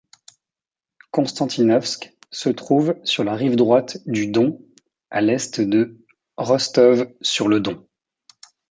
Konstantinovsk se trouve sur la rive droite du Don, à à l'est de Rostov-sur-le-Don.